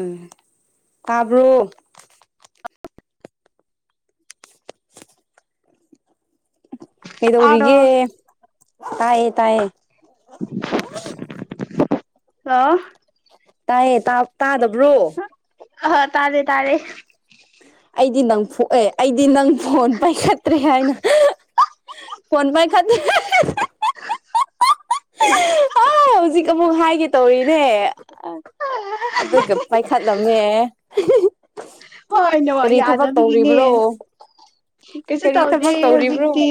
ꯎꯝ ꯇꯥꯕ꯭ꯔꫭ꯫ ꯇꯥꯔꯣ ꯀꯩꯗꯧꯔꯤꯒꯦ꯫ ꯇꯥꯏꯌꯦ-ꯇꯥꯏꯌꯦ꯫ ꯍꯦꯜꯂꫭ꯫ ꯇꯥꯏꯌꯦ ꯇꯥ ꯇꯥꯗꯕ꯭ꯔꯣ꯫ ꯑꯍ ꯇꯥꯔꯦ-ꯇꯥꯔꯦ꯫ ꯑꯩꯗꯤ ꯅꯪ ꯐꯨꯛꯑꯦ ꯑꯩꯗꯤ ꯅꯪ ꯐꯣꯟ ꯄꯥꯏꯈꯠꯇ꯭ꯔꯦ ꯍꯥꯏꯅ ꯐꯣꯟ ꯄꯥꯏꯈꯠꯇ꯭ꯔꯦ ꯑꯥ ꯍꯧꯖꯤꯛ ꯑꯃꯨꯛ ꯍꯥꯏꯒꯦ ꯇꯧꯔꯤꯅꯦ꯫ ꯑ ꯑꯗꯨꯒ ꯄꯥꯏꯈꯠꯂꯝꯃꯦ꯫ [inaudible] [unintelligible] ꯍꯣꯏ ꯅꯣ ꯀꯔꯤ ꯊꯕꯛ ꯌꯥꯗꯕꯤꯒꯤꯅꯦ ꯇꯧꯔꯤꯕ꯭ꯔꯣ ꯀꯩꯁꯨ ꯀꯔꯤ ꯇꯧꯗꯦ ꯊꯕꯛ ꯇꯧꯔꯤꯕ꯭ꯔꯣ ꯍꯧꯖꯤꯛꯇꯤ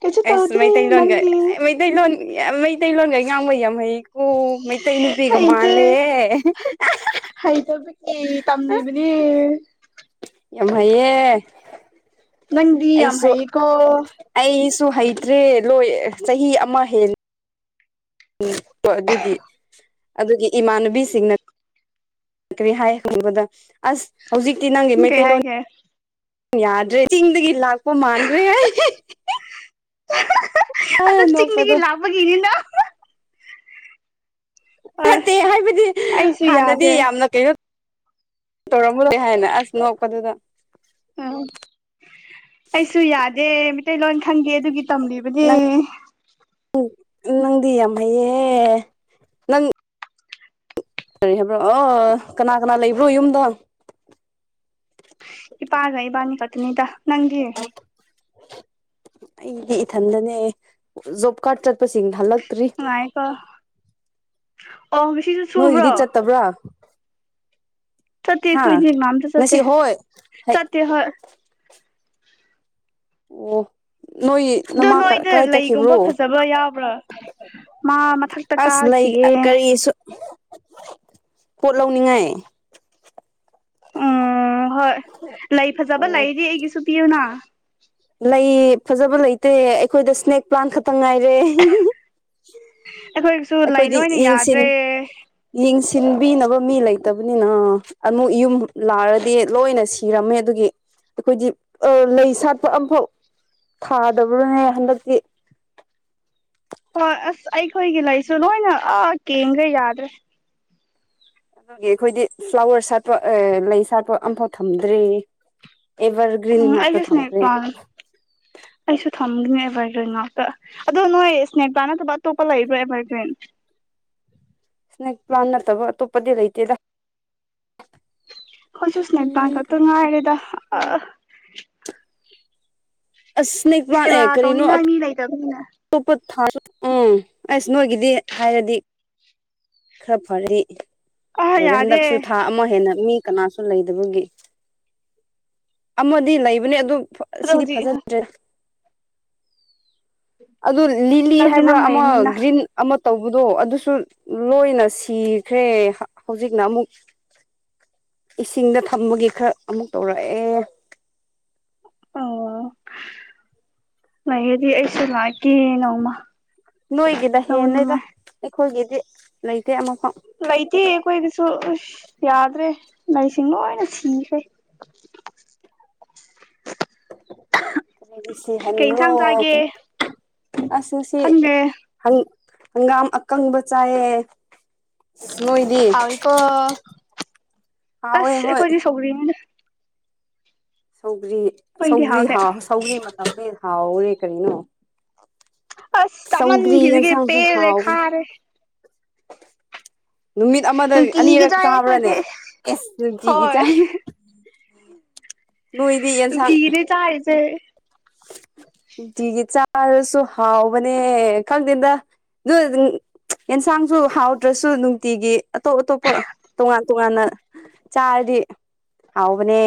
ꯀꯩꯁꯨ ꯇꯧꯗꯦ ꯅꯪꯗꯤ ꯌꯥꯝ ꯃꯩꯇꯩꯂꯣꯟꯒ ꯉꯥꯡꯕꯩ ꯌꯥꯝ ꯍꯩꯀꯣ ꯃꯩꯇꯩ ꯅꯨꯄꯤꯒ ꯍꯩꯇꯦ ꯃꯥꯜꯂꯦ ꯒꯤ ꯇꯝꯃꯤꯕꯅꯤ ꯌꯥꯝ ꯍꯩꯌꯦ ꯅꯪꯗꯤ ꯌꯥꯝ ꯍꯩꯌꯦꯀꯣ ꯁꯨ ꯍꯩꯇ꯭ꯔꯦ ꯂꯣꯏ ꯆꯍꯤ ꯑꯃ ꯍꯦꯟ ꯎꯝ ꯀꯣ ꯑꯗꯨꯒꯤ ꯑꯗꯨꯒꯤ ꯏꯃꯥꯟꯅ ꯕꯤ ꯁꯤꯁꯤꯡꯅ ꯀ꯭ꯔꯤ ꯍꯥꯏ ꯍꯪꯕꯗ ꯑꯁ ꯍꯧꯖꯤꯛꯇꯤ ꯅꯪꯒꯤ ꯀꯩ ꯃꯩꯇꯩꯂꯣꯟ ꯍꯥꯏꯒꯦ ꯌꯥꯗ꯭ꯔꯦ ꯆꯤꯡꯗꯒꯤ ꯂꯥꯛꯄ ꯃꯥꯟꯈ꯭ꯔꯦ ꯍꯥꯏ ꯑꯗꯨ ꯆꯤꯡꯗꯒꯤ ꯅꯣꯛꯄꯗꯣ ꯂꯥꯞꯄꯒꯤꯅꯤꯅ ꯍꯣꯏ ꯐꯠꯇꯦ ꯍꯥꯏꯕꯗꯤ ꯑꯩꯁꯨ ꯍꯥꯟꯅꯗꯤ ꯌꯥꯗꯦ ꯌꯥꯝꯅ ꯀꯩꯅꯣ ꯇꯧꯔꯝꯃꯨꯗꯦ ꯍꯥꯏꯅ ꯑꯁ ꯅꯣꯛꯄꯗꯨꯗ ꯎꯝ ꯈꯪꯒꯦ ꯑꯗꯨꯒꯤ ꯇꯝꯂꯤꯕꯅꯦ ꯅꯪ ꯅꯪꯗꯤ ꯌꯥꯝ ꯍꯩꯌꯦꯍꯦ ꯅꯪ ꯀꯔꯤ ꯍꯥꯏꯕ꯭ꯔꯣ ꯑꫭ ꯀꯅꯥ ꯀꯅꯥ ꯂꯩꯕ꯭ꯔꯣ ꯌꯨꯝꯗ ꯏꯄꯥꯒ ꯏꯕꯥꯅꯤ ꯈꯇꯅꯤꯗ ꯅꯪꯗꯤ ꯑꯩꯗꯤ ꯏꯊꯟꯗꯅꯦ ꯖꯣꯕ ꯀꯥꯔꯗ ꯆꯠꯄꯁꯤꯡ ꯍꯜꯂꯛ ꯉꯥꯏꯀꯣ [unintelligible] ꯅꯣꯏꯒꯤꯗꯤ ꯆꯠꯇꯕ꯭ꯔꯥ ꯆꯠꯇꯦ ꯍꯥ ꯈꯣꯏꯗꯤ ꯀꯅꯥꯝꯁꯨ ꯉꯁꯤ ꯆꯠꯇꯦ ꯍꯣꯏ ꯍꯩ ꯆꯠꯇꯦ ꯍꯣꯏ ꯑꯣ ꯅꯣꯏ ꯑꯗꯨ ꯅꯃꯥ ꯅꯣꯏꯗ ꯀꯔꯥꯏ ꯆꯠꯈꯤꯕ꯭ꯔꯣ ꯂꯩꯒꯨꯝꯕ ꯐꯖꯕ ꯌꯥꯎꯕ꯭ꯔꯥ ꯃꯥ ꯃꯊꯛꯇ ꯑꯁ ꯂꯩ ꯀꯥꯈꯤꯌꯦ ꯀꯔꯤꯁꯨ ꯄꯣꯠ ꯂꯧꯅꯤꯡꯉꯥꯏ ꯎꯝ ꯍꯣꯏ ꯂꯩ ꯐꯖꯕ ꯑꯣ ꯂꯩꯗꯤ ꯑꯩꯒꯤꯁꯨ ꯄꯤꯌꯨꯅ ꯂꯩ ꯐꯖꯕ ꯂꯩꯇꯦ ꯑꯩꯈꯣꯏꯗ ꯁ꯭ꯅꯦꯛ ꯄ꯭ꯂꯥꯟ ꯈꯛꯇ ꯇ ꯉꯥꯏꯔꯦ ꯑꯩꯈꯣꯏꯒꯤꯁꯨ ꯂꯩ ꯑꯩꯈꯣꯏꯗꯤ ꯂꯣꯏꯅ ꯌꯦꯡꯁꯤꯟ ꯌꯥꯗ꯭ꯔꯦ ꯌꯦꯡꯁꯤꯟ ꯁꯤꯟꯕꯤꯅꯕ ꯃꯤ ꯂꯩꯇꯕꯅꯤꯅ ꯑꯃꯨꯛ ꯌꯨꯝ ꯂꯥꯔꯗꯤ ꯂꯣꯏꯅ ꯁꯤꯔꯝꯃꯦ ꯑꯗꯨꯒꯤ ꯑꯩꯈꯣꯏꯗꯤ ꯂꯩ ꯁꯥꯠ ꯁꯥꯠꯄ ꯑꯝꯐꯥꯎ ꯊꯥꯗꯕ꯭ꯔꯥꯕꯅꯦ ꯍꯟꯗꯛꯇꯤ ꯍꯣꯏ ꯑꯁ ꯑꯩꯈꯣꯏꯒꯤ ꯂꯩꯥꯏꯁꯨ ꯂꯣꯏꯅ ꯑꯥ ꯀꯦꯟꯒ꯭ꯔꯦ ꯌꯥꯗ꯭ꯔꯦ ꯑꯗꯨꯒꯤ ꯑꯩꯈꯣꯏꯗꯤ ꯐ꯭ꯂꯥꯋꯔ ꯁꯥꯠꯄ ꯂꯩ ꯁꯥꯠꯄ ꯑꯝꯐꯥꯎ ꯊꯝꯗ꯭ꯔꯤ ꯑꯦꯕꯔꯒ꯭ꯔꯤꯟ ꯎꯝ ꯉꯥꯛꯇ ꯑꯩꯁꯨ ꯁ꯭ꯅꯦꯛ ꯊꯝꯈ꯭ꯔꯦ ꯄ꯭ꯂꯥꯟ ꯑꯩꯁꯨ ꯊꯝꯒꯅꯤ ꯑꯦꯚꯔꯒ꯭ꯔꯤꯟ ꯉꯥꯛꯇ ꯑꯗꯣ ꯅꯣꯏ ꯁꯅꯦꯛ ꯄ꯭ꯂꯥꯟ ꯅꯠꯇꯕ ꯑꯇꯣꯞꯄ ꯂꯩꯕ꯭ꯔꯥ ꯑꯦꯚꯔꯒ꯭ꯔꯤꯟ ꯁꯅꯦꯛ ꯄ꯭ꯂꯥꯟ ꯅꯠꯇꯕ ꯑꯇꯣꯞꯄꯗꯤ ꯂꯩꯇꯦꯗꯥ ꯈꯣꯏꯁꯨ ꯁꯅꯦꯛ ꯄꯥ꯭ꯂꯥꯟ ꯉꯥꯛꯇ ꯉꯥꯏꯔꯦꯗ ꯑꯥ ꯑꯁꯅꯦꯛ ꯄ꯭ꯂꯥꯟ ꯁꯦꯕꯥ ꯑꯦ ꯀꯔꯤꯅꯣ ꯑ ꯇꯧꯅꯤꯡꯉꯥꯏ ꯃꯤ ꯂꯩꯇꯕꯅꯤꯅ [unintelligible] ꯎꯝ ꯑꯁ ꯅꯣꯏꯒꯤꯗꯤ ꯍꯥꯏꯔꯗꯤ ꯈꯔ ꯐꯔꯦ ꯑꯥ ꯑꯣꯔꯦ ꯌꯥꯗꯦ ꯍꯟꯗꯛꯁꯨ ꯊꯥ ꯑꯃ ꯍꯦꯟꯅ ꯃꯤ ꯀꯅꯥꯁꯨ ꯂꯩꯗꯕꯒꯤ ꯑꯃꯗꯤ ꯂꯩꯕꯅꯦ ꯑꯗꯨ ꯑꯗꯣ ꯁꯤꯗꯤ ꯍꯧꯖꯤꯛ ꯐꯖꯗ꯭ꯔꯦ ꯑꯗꯨ ꯂꯤꯂꯤ ꯅꯪꯗꯤ ꯍꯥꯏꯕ꯭ꯔꯥ ꯅꯪ ꯑꯃ ꯂꯩꯔꯅꯤꯅ ꯒ꯭ꯔꯤꯟ ꯑꯃꯥ ꯇꯧꯕꯗꯣ ꯑꯗꯨꯁꯨ ꯂꯣꯏꯅꯁꯤ ꯁꯤꯈ꯭ꯔꯦ ꯍꯧꯖꯤꯛ ꯅ ꯑꯃꯨꯛ ꯏꯁꯤꯡꯗ ꯊꯝꯕꯒꯤ ꯈꯔ ꯑꯃꯨꯛ ꯇꯧꯔꯛꯑꯦ ꯑꯣ ꯂꯩꯒꯗꯤ ꯑꯩꯁꯨ ꯂꯥꯛꯀꯦ ꯅꯣꯡꯃ ꯅꯣꯏꯒꯤꯅ ꯍꯦꯅꯦꯗ ꯍꯣꯏꯒꯤꯗꯤ ꯂꯩꯇꯦ ꯑꯃꯐꯥꯎ ꯂꯩꯇ ꯀꯣꯏꯒꯤꯁꯨ ꯌꯥꯗ꯭ꯔꯦ ꯂꯩꯩꯁꯤꯡ ꯂꯣꯏꯅ ꯁꯤꯈꯦ ꯀꯩꯅ‌ꯣꯒꯤꯁꯤ ꯀꯩ ꯍꯟꯕ꯭ꯔꯣ ꯏꯟꯁꯥꯡ ꯆꯥꯒꯦ ꯑꯁ ꯉꯁꯤ ꯈꯪꯗꯦ ꯍꯪ ꯍꯪꯒꯥꯝ ꯑꯀꯪꯕꯆꯥꯌꯦ ꯍꯥꯎꯏ ꯀꯣ ꯍꯥꯎꯋꯦ ꯑꯁ ꯍꯣꯏ ꯑꯩꯈꯣꯍꯗꯤ ꯁꯧꯒꯔꯤꯅꯤꯗ ꯁꯧ ꯒꯔꯤ ꯑꯩꯈꯣꯏꯗꯤ ꯁꯧꯒꯔꯤ ꯍꯥꯎꯇꯦ ꯍꯥ ꯁꯧꯒꯔꯤ [unintelligible] ꯍꯥꯎꯔꯦ ꯀꯔꯤꯅꯣ ꯑꯁ ꯆꯧꯒ꯭ꯔꯤ ꯆꯥꯃꯟꯈꯤꯕꯒꯤ ꯌꯦꯟꯁꯥꯡꯁꯨ ꯄꯦꯜꯂꯦ ꯍꯥꯎꯕꯅꯦ ꯈꯥꯔꯦ ꯅꯨꯃꯤꯠ ꯑꯃꯗ ꯅꯨꯡꯇꯤꯒꯤ ꯑꯅꯤꯔꯛ ꯆꯥꯏ ꯆꯥꯕ꯭ꯔꯥꯅꯦ ꯑꯩꯈꯣꯏꯗꯤ ꯑꯦꯁ ꯅꯨꯡꯇꯤꯒꯤ ꯆꯥꯏ ꯅꯣꯏꯗꯤ ꯌꯦꯟꯁꯥꯡ ꯨꯅꯨꯡꯇꯤꯒꯤꯅꯦ ꯆꯥꯔꯤꯁꯦ ꯅꯨꯡꯇꯤꯒꯤ ꯆꯥꯔꯁꯨ ꯍꯥꯎꯕꯅꯦ ꯈꯪꯗꯦꯗ ꯑꯗꯨ ꯌꯦꯟꯁꯥꯡꯁꯨ ꯍꯥꯎꯗ꯭ꯔꯁꯨ ꯅꯨꯡꯇꯤꯒꯤ ꯑꯇꯣꯞ ꯑꯇꯣꯞꯄ ꯇꯣꯉꯥꯟ ꯇꯣꯉꯥꯟꯅ ꯆꯥꯔꯗꯤ ꯍꯥꯎꯕꯅꯦ꯫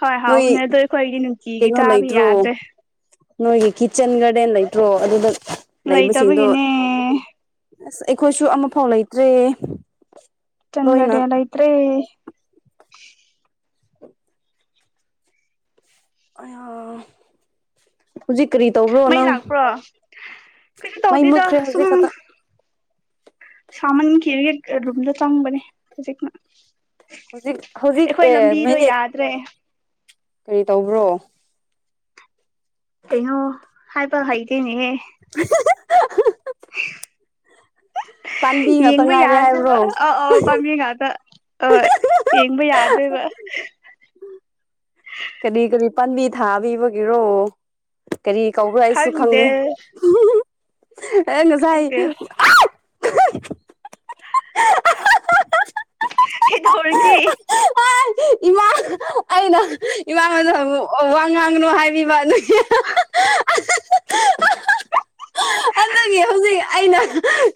ꯍꯣꯏ ꯅꯣꯏ ꯍꯥꯎꯕꯅꯦ ꯑꯗꯣ ꯑꯩꯈꯣꯏꯒꯤ ꯅꯨꯡꯇꯤ ꯒꯤ ꯀꯩꯅꯣ ꯆꯥꯕꯅꯤ ꯂꯩꯇ꯭ꯔꯣ ꯌꯥꯗ꯭ꯔꯦ ꯅꯣꯏꯒꯤ ꯀꯤꯆꯟ ꯒꯥꯗꯦꯟ ꯂꯩꯇꯔꯣ ꯑꯗꯨꯗ ꯂꯩꯕꯁꯤꯡꯗꯣ ꯂꯥꯏꯇꯕꯒꯅꯦ ꯑꯁ ꯑꯩꯈꯣꯏꯁꯨ ꯑꯃꯐꯥꯎ ꯂꯩꯇ꯭ꯔꯦ ꯀꯤꯆꯥꯟ ꯂꯣꯏꯅ ꯒꯔꯥꯗꯦꯟ ꯂꯩꯇꯔꯦ ꯑꯥ ꯃꯩ ꯂꯥꯛꯄ꯭ꯔꯣ ꯀꯥꯝ ꯃꯩ ꯇꯧꯗꯦꯗ ꯃꯨꯠꯈ꯭ꯔꯦ ꯁꯨꯝ ꯍꯧꯖꯤꯛ ꯈꯛꯇ ꯁꯃꯥꯟꯈꯤꯕꯩ ꯔꯨꯝꯝꯗ ꯆꯪꯕꯅꯦ ꯍꯧꯖꯤꯛꯅ ꯍꯧꯖꯤꯛ ꯍꯧꯖꯤꯛ ꯑꯩꯈꯣꯏ ꯑꯦ ꯂꯝꯕꯤꯗꯣ ꯃꯤꯅꯤꯠ ꯌꯥꯗ꯭ꯔꯦ ꯀꯔꯤ ꯇꯧꯕ꯭ꯔꯣ ꯀꯩꯩꯅꯣ ꯍꯥꯏꯕ ꯍꯩꯇꯦꯅꯦꯍꯦ [unintelligible] ꯄꯥꯟꯕꯤ ꯉꯥꯛꯇ ꯌꯦꯡꯕ ꯉꯥꯏꯔꯦ ꯌꯥꯗꯕ ꯍꯥꯏꯕ꯭ꯔꯣ ꯑ ꯑꯥꯎ ꯄꯥꯝꯃꯦ ꯉꯥꯛꯗ ꯑꯥ ꯌꯦꯡꯕ ꯌꯥꯗ꯭ꯔꯦꯕ ꯀꯔꯤ ꯀꯔꯤ ꯄꯥꯝꯕꯤ ꯊꯥꯕꯤꯕꯒꯤꯔꯣ ꯀꯔꯤ ꯀꯧꯕ꯭ꯔꯥ ꯑꯩꯁꯨ ꯈꯪꯗꯦ ꯑꯩ ꯉꯥꯁꯥꯏ ꯈꯪꯗꯦ [unintelligible] ꯀꯩꯗꯧꯔꯒꯦ ꯏꯃꯥ ꯑꯩꯅ ꯏꯃꯥꯕꯗ ꯋꯥ ꯉꯥꯡꯅꯨ ꯍꯥꯏꯕꯤꯕ ꯑꯗꯨꯒꯤ ꯑꯗꯨꯗꯒꯤ ꯍꯧꯖꯤꯛ ꯑꯩꯅ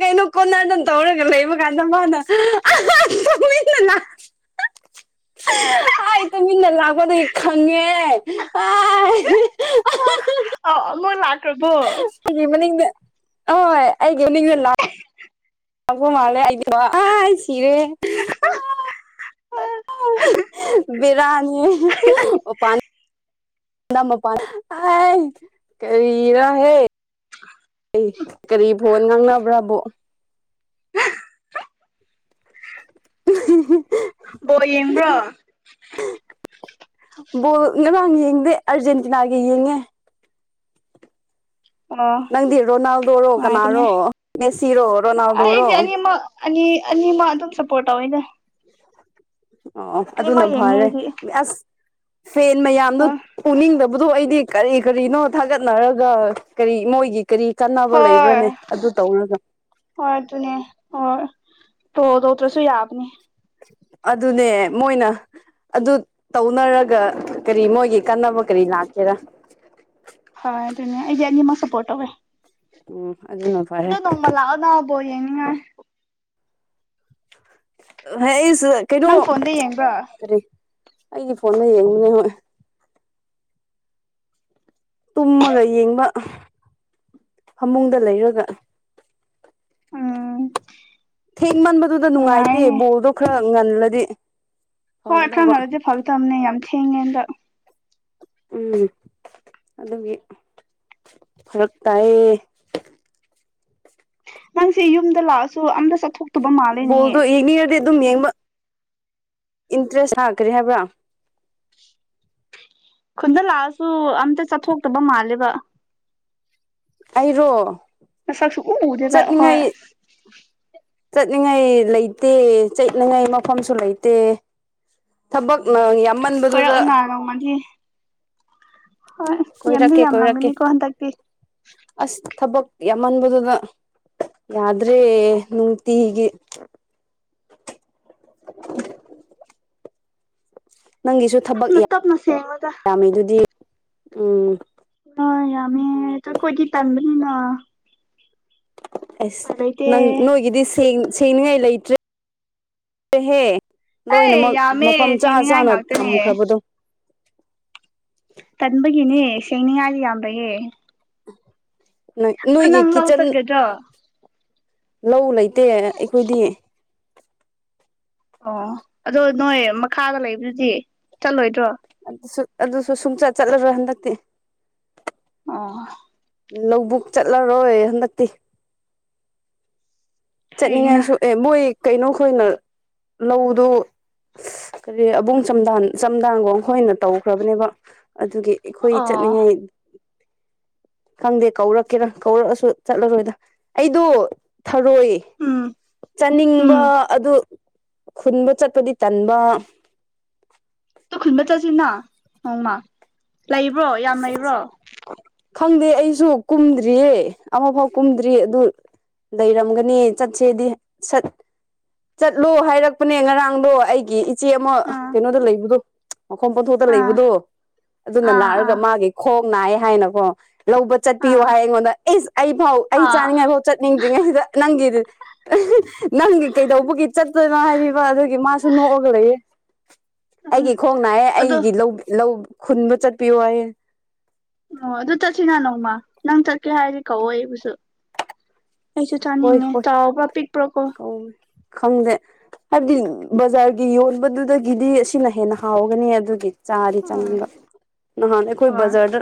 ꯀꯩꯅꯣ ꯀꯣꯅꯔꯗ ꯇꯧꯔꯒ ꯂꯩꯕ ꯀꯥꯟꯗ ꯃꯥꯅ ꯇꯃꯤꯟꯅꯅ ꯇꯃꯤꯟꯅ ꯂꯥꯛꯄꯗꯒꯤ ꯈꯪꯉꯦ ꯑ ꯑꯣ ꯃꯣꯏ ꯂ ꯁꯤ ꯃꯅꯤ ꯍ ꯑꯩꯒꯦꯅꯤꯂ ꯑꯄꯣ ꯃꯥꯂꯦ ꯑꯗꯤ ꯆꯔꯦ [inaudible] ꯕꯤꯔꯅꯤ ꯄꯅꯤ ꯅꯃ ꯄ ꯍꯥꯏ ꯀꯔ ꯍꯦ ꯑꯩ ꯀꯔꯤꯕ ꯐꯣ ꯉꯥꯡꯅꯕ꯭ꯔꯥꯕꯣ [inaudible] ꯕꯣ ꯌꯦꯡꯕ꯭ꯔꯣ ꯎꯝ ꯕꯣ ꯉꯔꯥꯡ ꯌꯦꯡꯗꯦ ꯑꯔꯖꯦꯟꯇꯤꯅꯥꯒꯤ ꯌꯦꯡꯉꯦ ꯑꯣ ꯅꯪꯗꯤ ꯔꯣꯅꯥꯜꯗꯣꯔꯣ ꯅꯨꯡꯉꯥꯏꯕꯅꯦ ꯀꯅꯥꯔꯣ ꯃꯦꯁꯤꯔꯣ ꯔꯣꯅꯥꯜꯗꯔꯣ ꯑꯅꯤꯅꯤꯃ ꯑꯗꯨ ꯁꯄꯣꯠꯎꯣꯏꯗ ꯑꯣ ꯑꯗꯨꯅ ꯐꯔꯦ ꯑꯩꯗꯤ ꯑꯁ ꯐꯦꯟ ꯃꯌꯥꯝꯗꯣ ꯍꯣꯏ ꯎꯅꯤꯡꯗꯕ ꯗꯣ ꯑꯩꯗꯤ ꯀꯔꯤ ꯀꯔꯤꯅꯣ ꯊꯥꯒꯠꯅꯔꯒ ꯀꯔꯤ ꯃꯣꯏꯒꯤ ꯀꯔꯤ ꯀꯥꯟꯅꯕ ꯍꯣꯏ ꯂꯩꯕ꯭ꯔꯥꯅꯦ ꯑꯗꯨ ꯇꯧꯔꯒ ꯍ ꯑꯗꯨꯅꯦ ꯍ ꯇꯣ ꯇꯧꯇ꯭ꯔꯁꯨ ꯌꯥꯕꯅꯤ ꯑꯗꯨꯅꯦ ꯃꯣꯏꯅ ꯑꯗꯨ ꯇꯧꯅꯔꯒ ꯀꯔꯤ ꯃꯣꯏꯒꯤ ꯀꯥꯟꯅꯕ ꯀꯔꯤ ꯂꯥꯛꯀꯦꯔꯥ ꯍꯣꯏ ꯑꯗꯨꯅꯤ ꯑꯩꯗꯤ ꯑꯅꯤꯃꯛ ꯁꯞꯄꯣꯔꯠ ꯇꯧꯋꯦ ꯎꯝ ꯑꯗꯨꯅ ꯑ ꯐꯔꯦ ꯇꯣꯡꯃ ꯂꯑꯣꯗꯕꯣ ꯌꯦ ꯑ ꯍ ꯀꯩꯅꯣ ꯅꯪ ꯐꯣꯟꯗ ꯌꯦꯡꯕ꯭ꯔꯣ ꯀꯔꯤ ꯑꯩꯒꯤ ꯐꯣꯟꯗ ꯌꯦꯡꯕꯅꯦ ꯍꯣꯏ ꯇꯨꯝꯃꯒ ꯌꯦꯡꯕ ꯐꯃꯨꯡꯗ ꯂꯩꯔꯒ ꯎꯝ ꯊꯦꯡꯃꯟꯕꯗꯨꯗ ꯅꯨꯡꯉꯥꯏꯇꯦ ꯅꯨꯡꯉꯥꯏꯅꯦ ꯕꯣꯜꯗꯣ ꯈꯔ ꯅꯜꯗꯤ ꯍꯣꯏ ꯈꯪ ꯃꯥꯗꯤꯦ ꯐꯥꯎ ꯊꯝꯅꯤ ꯌꯥꯝ ꯍꯦꯉꯗ ꯎꯝ ꯑꯗꯨꯒꯤ ꯐꯔꯛ ꯇꯥꯏꯌꯦ ꯅꯪꯁꯤꯦ ꯌꯨꯝꯗ ꯂꯥꯛꯑꯁꯨ ꯑꯝꯇ ꯆꯠꯊꯣꯛ ꯣꯜꯗꯣ ꯌꯦꯡꯅꯤꯗꯤ ꯑꯗꯨꯝ ꯌꯦꯡꯕ ꯏꯟꯇ꯭ꯔꯦꯁ ꯂꯥꯛꯈ꯭ꯔꯦ ꯍꯥꯏꯕ꯭ꯔꯥ ꯈꯨꯟꯗ ꯂꯥꯛꯑꯁꯨ ꯑꯝꯇ ꯆꯠꯊꯣꯛꯇꯕ ꯃꯥꯜꯂꯦꯕ ꯑꯩꯔꯣ ꯑꯁꯁꯨ ꯎ ꯇ ꯍꯣꯏ ꯆꯠꯂꯤꯉꯥꯏ ꯂꯩꯇꯦ ꯆꯠꯂꯤꯉꯥꯏ ꯃꯐꯝꯁꯨ ꯂꯩꯇꯦ ꯊꯕꯛꯅ ꯌꯥꯝꯃꯟꯕꯗꯨꯗ ꯀꯅꯔ ꯃꯗꯤ ꯍꯣꯏ ꯌꯥꯝꯗꯤ ꯀꯣꯏꯔꯛꯀꯦ ꯌꯥꯝ ꯀꯣꯏꯔꯛꯀꯦ ꯉꯝꯒꯅꯤꯀꯣ ꯍꯟꯗꯛꯇꯤ ꯑꯁ ꯊꯕꯛ ꯌꯥꯝꯃꯟꯕꯗꯨꯗ ꯌꯥꯗ꯭ꯔꯦ ꯅꯨꯡꯅꯨꯡꯇꯤ ꯍꯤꯒꯤ ꯅꯪꯒꯤꯁꯨ ꯊꯕꯛ ꯇꯞꯅ ꯇꯞꯅ ꯁꯦꯡꯉꯣꯗ ꯌꯥꯝꯃꯤ ꯑꯗꯨꯗꯤ ꯎꯝ ꯍ ꯌꯥꯃꯤ ꯀꯣꯏꯗꯤ ꯇꯥꯟꯗꯅꯤꯅ ꯑꯁ ꯅꯪ ꯅꯣꯏꯒꯤꯗꯤ ꯁꯦꯡ ꯁꯦꯡꯅꯤꯡꯉꯥꯏ ꯂꯩꯇ꯭ꯔꯦꯍꯦ ꯑꯩ ꯂꯣꯏꯅꯃꯛ ꯌꯥꯝꯃꯦ ꯃꯐꯝ ꯆꯥ ꯁꯦꯡꯅꯤꯡꯉꯥꯏ ꯆꯥꯅ ꯉꯥꯛꯇꯅꯦ ꯊꯝꯈ꯭ꯔꯕꯗꯣ ꯇꯟꯕꯒꯤꯅꯦ ꯁꯅꯤꯌꯥꯜꯂꯤ ꯌꯥꯝꯕꯒꯦ ꯑꯗꯨ ꯅꯣꯏꯒꯤ ꯅꯪ ꯂ ꯎ ꯀꯤꯠꯆꯟ ꯇꯔꯒꯦꯗ꯭ꯔ ꯂꯧ ꯂꯩ ꯂꯩ ꯑꯠꯇꯦ ꯑꯩꯈꯣꯏꯗꯤ ꯑꯣ ꯑꯗꯣ ꯅꯣꯏ ꯃꯈꯥꯗ ꯂꯩꯕꯗꯨꯗꯤ ꯆꯠꯂꯣꯏꯗ꯭ꯔꯣ ꯑꯗꯨꯁꯨ ꯑꯗꯨꯁꯨ ꯁꯨꯡꯆꯠ ꯆꯠꯂꯔꯣꯏ ꯍꯟꯗꯛꯇꯤ ꯑꯣ ꯂꯧꯕꯨꯛ ꯆꯠꯂꯔꯣꯏ ꯍꯟꯗꯛꯇꯤ ꯐꯩꯅ ꯆꯠꯅꯤꯡꯉꯥꯏꯁꯨ ꯑꯦ ꯃꯕꯣꯏ ꯀꯩꯅꯣꯈꯣꯏꯅ ꯂꯧꯗꯨ ꯀꯔꯤ ꯑꯕꯨꯡ ꯆꯝ ꯆꯝꯗꯥꯡꯒ ꯈꯣꯏꯅ ꯇꯧꯈ꯭ꯔꯕꯅꯦꯕ ꯑꯗꯨꯒꯤ ꯑꯩꯈꯣꯏ ꯑꯣ ꯆꯠꯅꯤꯡꯉꯥꯏ ꯈꯪꯗꯦ ꯀꯧꯔꯛꯀꯦꯔ ꯀꯧꯔꯛꯑꯁꯨ ꯆꯠꯂꯔꯣꯏꯗ ꯑꯩꯗꯣ ꯊꯔꯣꯏ ꯎꯝ ꯆꯅꯤꯡꯝꯕ ꯎꯝ ꯑꯗꯨ ꯑꯗꯨ ꯈꯨꯟꯕ ꯆꯠꯄꯗꯤ ꯇꯟꯕ ꯈꯨꯟꯕ ꯆꯠꯁꯤꯅ ꯅꯣꯡꯃꯥ ꯂꯩ ꯕ꯭ꯔꯣ ꯌꯥꯝ ꯂꯩꯕ꯭ꯔꯣ ꯈꯪꯗꯦ ꯑꯩꯁꯨ ꯀꯨꯝꯗ꯭ꯔꯤꯌꯦ ꯑꯃꯐꯥꯎ ꯀꯨꯝꯗ꯭ꯔꯤ ꯑꯗꯨ ꯂꯩꯔꯝꯒꯅꯤ ꯆꯠꯁꯦꯗꯤꯠ ꯆꯠꯂꯣ ꯍꯥꯏꯔꯛꯄꯅꯦ ꯉꯔꯥꯡꯗꯣ ꯑꯩꯒꯤ ꯏꯆꯦ ꯑꯃ ꯑꯥ ꯀꯩꯅꯣꯗ ꯂꯩꯕꯗꯣ ꯃꯈꯐꯝ ꯄꯣꯟꯊꯣꯛꯇ ꯑꯥ ꯂꯩꯕꯗꯣ ꯑꯗꯨꯅ ꯑꯥ ꯂꯥꯛ ꯑꯥ ꯈꯣꯛ ꯅꯥꯑꯦ ꯍꯥꯏꯅꯀꯣ ꯂꯧꯕ ꯆꯠꯄꯤꯌꯣ ꯑꯥ ꯍꯥꯏ ꯑꯩꯉꯣꯟꯗ ꯑꯦꯁ ꯑꯩ ꯐꯥꯎ ꯑꯩ ꯑꯥ ꯆꯥꯅꯤꯡꯉꯥꯏꯐꯥꯎ ꯆꯠꯅꯤꯡꯗ꯭ꯔꯤꯉꯩꯁꯤꯗ ꯅꯪꯒꯤ ꯅꯪꯒꯤ ꯀꯩꯗꯧꯕꯒꯤ ꯆꯠꯇꯣꯏꯅꯣ ꯍꯥꯏꯕꯤꯕ ꯑꯗꯨꯒꯤ ꯃꯥꯁꯨ ꯅꯣꯛꯑꯒ ꯂꯩꯌꯦ ꯎꯝ ꯑꯩꯒꯤ ꯈꯣꯡ ꯅꯥꯑꯦ ꯑꯗꯣ ꯑꯩꯒꯤ ꯂꯧ ꯈꯨꯟꯕ ꯆꯠꯄꯤꯌꯣ ꯍꯥꯏ [inaudible] ꯑꯣ ꯑꯗꯨ ꯆꯠꯁꯤꯅ ꯅꯣꯡꯃ ꯅꯪ ꯆꯠꯀꯦ ꯍꯥꯏꯗꯤ ꯀꯛꯑꯣ ꯑꯩꯕꯨꯁꯨ ꯑꯩꯁꯨ ꯍꯣꯏ ꯆꯥꯅꯤꯡꯉꯦ ꯍꯣꯏ ꯆꯥꯎꯕ꯭ꯔ ꯄꯤꯛꯄ꯭ꯔꯣꯀꯣ ꯀꯧꯋꯦ ꯈꯪꯗꯦ ꯍꯥꯏꯕꯗꯤ ꯕꯖꯥꯔꯒꯤ ꯌꯣꯟꯕꯗꯨꯗꯒꯤꯗꯤ ꯑꯁꯤꯅ ꯍꯦꯟꯅ ꯍꯥꯎꯒꯅꯤ ꯑꯗꯨꯒꯤ ꯆꯥꯔꯤ ꯎꯝ ꯆꯪꯅꯤꯡꯕ ꯅꯍꯥꯟ ꯑꯩꯈꯣꯏ ꯍꯣꯏ ꯕꯖꯔꯗ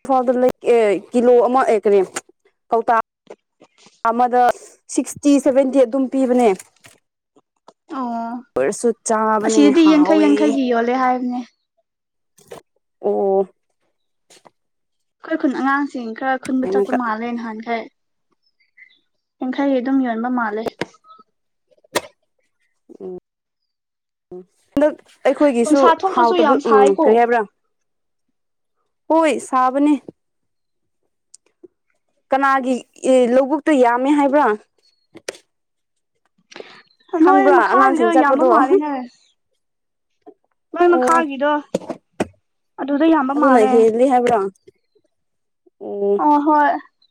ꯏꯝꯐꯥꯜꯗ ꯀꯤꯂꯣ ꯑꯃ ꯑꯦꯛꯀꯦ ꯀꯧ ꯑꯃꯗ ꯁꯤꯛꯁꯇꯤ ꯁꯚꯦꯟꯇꯤ ꯑꯗꯨꯝ ꯄꯤꯕꯅꯦ ꯑꯣ ꯑꯣꯏꯔꯁꯨ ꯆꯥꯕꯅꯦ ꯑꯁꯤꯗꯗꯤ ꯌꯥꯡꯈꯩ ꯍꯥꯎꯋꯦ ꯌꯥꯡꯈꯩꯒꯤ ꯌꯣꯜꯂꯦ ꯍꯥꯏꯕꯅꯦ ꯑꯣ ꯑꯩꯈꯣꯏ ꯈꯨꯟ ꯑꯉ ꯁꯤ ꯈꯔ ꯈꯨꯟꯕ ꯍꯟꯗꯛ ꯆꯠꯄ ꯃꯥꯜꯂꯦ ꯅꯍꯥꯟꯈꯥꯏ ꯌꯥꯡꯈꯥꯏ ꯑꯗꯨꯝ ꯌꯣꯟꯕ ꯃꯥꯜꯂꯦ ꯎꯝ ꯎꯝ ꯍꯟꯗꯛ ꯑꯩꯈꯣꯏꯒꯤꯁꯨ ꯅꯨꯡꯁꯥ ꯊꯣꯛꯇ꯭ꯔꯁꯨ ꯍꯥꯎꯇꯕ ꯌꯥꯝ ꯎꯝ ꯁꯥꯏꯀꯣ ꯀꯔꯤ ꯍꯥꯏꯕ꯭ꯔꯥ ꯍꯣꯏ ꯁꯥꯕꯅꯦ ꯀꯅꯥꯒꯤ ꯂꯧꯕꯨꯛꯇ ꯌꯥꯝꯃꯦ ꯍꯥꯏꯕ꯭ꯔꯥ ꯅꯣꯏ ꯈꯪꯕ꯭ꯔꯥ ꯃꯈꯥꯒꯤꯗꯣ ꯑꯉꯥꯡꯁꯤꯡ ꯌꯥꯝꯕ ꯆꯠꯄꯗꯣ ꯃꯥꯜꯂꯦꯅꯦ ꯅꯣꯏ ꯑꯣ ꯃꯈꯥꯒꯤꯗꯣ ꯑꯗꯨꯗ ꯌꯥꯝꯕ ꯑꯗꯨꯅ ꯃꯥꯜꯂꯦ ꯍꯦꯜꯂꯤ ꯍꯥꯏꯕ꯭ꯔꯥ ꯑꯣ ꯑ ꯍꯣꯏ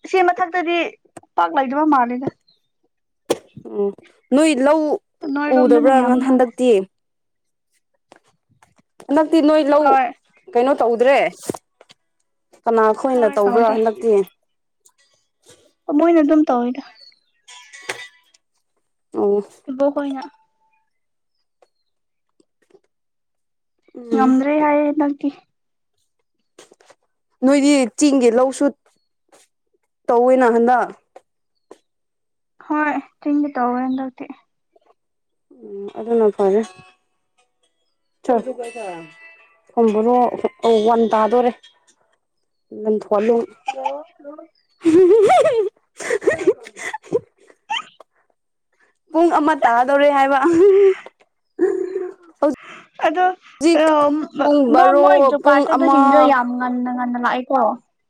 ꯁꯤ ꯃꯊꯛꯇꯗꯤ ꯄꯥꯛ ꯂꯩꯗꯕ ꯃꯥꯂꯦꯗ ꯑꯣ ꯅꯣꯏ ꯂꯧ ꯅꯣꯏꯔꯣꯝꯗꯅ ꯌꯥꯝ ꯎꯗꯕ꯭ꯔꯥꯥꯟ ꯃꯥꯜꯂꯦ ꯍꯟꯗꯛꯇꯤ ꯍꯟꯗꯛꯇꯤ ꯅꯣꯏ ꯂꯧ ꯍꯣꯏ ꯀꯩꯅꯣ ꯇꯧꯗ꯭ꯔꯦ ꯀꯅꯥꯈꯣꯏꯅ ꯍꯣꯏ ꯇꯧꯕ꯭ꯔꯥ ꯇꯧꯗ꯭ꯔꯦ ꯍꯟꯗꯛꯇꯤ ꯀꯅ ꯑꯗꯨꯝ ꯇꯧꯋꯤꯗ ꯑꯣ ꯏꯕꯣ ꯍꯣꯏꯅ ꯎꯝ ꯉꯝꯗ꯭ꯔꯦ ꯍꯥꯏ ꯅꯒꯤ ꯅꯣꯏꯗꯤ ꯆꯦꯡꯒꯤ ꯂꯧꯁꯨ ꯇꯧꯋꯦꯅ ꯍꯟꯗꯛ ꯍꯣꯏ ꯊꯤꯡꯒꯤ ꯇꯧꯋ ꯍꯟꯗꯧꯗꯤꯤ ꯎꯝ ꯑꯗꯨꯅ ꯐꯔꯦ ꯁꯣꯝꯕꯣꯔꯣ ꯋꯥꯟ ꯇꯥꯗꯣꯔꯦ ꯂꯟꯊꯣꯛꯍꯜꯂꯨ ꯄꯨꯡ ꯑꯃ ꯇꯥꯗꯧꯔꯦ ꯍꯥꯏꯕ ꯑꯗꯣ ꯍꯧꯖꯤꯛ ꯄꯨꯡ ꯅ ꯕꯥꯔꯣ ꯃꯣꯏꯗ ꯄꯨꯡ ꯑꯃ ꯄꯥꯠꯇꯕꯁꯤꯡꯗꯣ ꯌꯥꯝ ꯉꯟꯅ ꯉꯟꯅ ꯥꯏꯀꯣ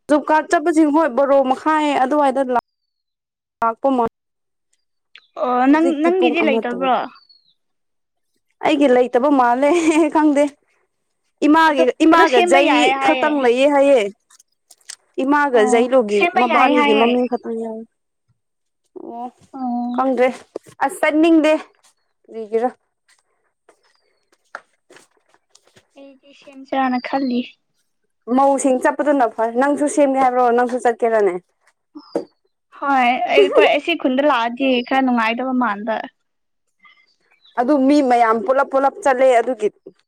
ꯖꯣꯞ ꯀꯥꯔꯗ ꯆꯠꯄꯁꯤꯡ ꯍꯣꯏ ꯕꯣꯔꯣ ꯃꯈꯥꯏ ꯑꯗꯨꯋꯥꯏꯗ ꯂꯥꯛꯄ ꯑꯣ ꯅꯪ ꯍꯧꯖꯤꯛꯇꯤ ꯄꯨꯡ ꯅꯪꯒꯤꯗꯤ ꯑꯃ ꯂꯩꯇꯕ꯭ꯔꯣ ꯇꯧꯔꯦ ꯑꯩꯒꯤ ꯂꯩꯇꯕ ꯃꯥꯜꯂꯦ ꯈꯪꯗꯦ ꯏꯃꯥꯒꯤ ꯑꯗꯨ ꯑꯗꯨ ꯏꯃꯥꯒ ꯁꯦꯝꯕ ꯖꯩ ꯌꯥꯏ ꯍꯥꯏꯌꯦ ꯈꯛꯇꯪ ꯂꯩꯌꯦ ꯍꯥꯏꯌꯦꯦ ꯏꯃꯥꯒ ꯑꯣ ꯖꯩꯂꯨꯒꯤ ꯁꯦꯝꯕ ꯌꯥꯏ ꯃꯕꯥꯅꯤꯒꯤ ꯍꯥꯏꯌꯦ ꯃꯃꯤꯡ ꯈꯛꯇꯪ ꯌꯥꯎꯏꯤ ꯑꯣ ꯀꯪꯗ꯭ꯔꯦ ꯑꯁ ꯇꯅꯤꯡꯗꯦꯒꯔꯣ ꯑꯩꯒꯤ ꯁꯦꯝꯦꯝ ꯆꯔꯅ ꯈꯜꯂꯤ ꯃꯧꯁꯤꯡ ꯆꯠꯄꯗꯨꯅ ꯐꯔ ꯅꯪꯁꯨ ꯁꯦꯝꯒꯦ ꯍꯥꯏꯕ꯭ꯔꯣ ꯅꯪꯁꯨ ꯆꯠꯀꯦꯔꯅꯦ ꯍꯣꯏ ꯑꯩꯣꯏ ꯑꯩ ꯈꯨꯟꯗ ꯂꯥꯛꯑꯗꯤ ꯈꯔ ꯅꯨꯡꯉꯥꯏꯗꯕ ꯃꯥꯟꯗ ꯑꯗꯨ ꯃꯤ ꯃꯌꯥꯝ ꯄꯨꯂꯞ ꯄꯨꯂꯞ ꯆꯠꯂꯦ ꯑꯗꯨꯒꯤ